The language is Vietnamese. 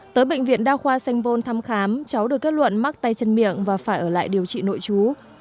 tới bệnh viện đa khoa sanh vôn thăm khám cháu được kết luận mắc tay chân miệng và phải ở lại điều trị nội chú